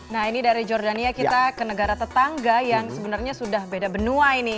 nah ini dari jordania kita ke negara tetangga yang sebenarnya sudah beda benua ini